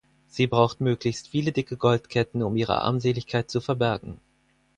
Sie braucht möglichst viele dicke Goldketten, um ihre Armseligkeit zu verbergen.